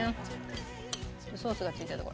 ソースがついてるとこ。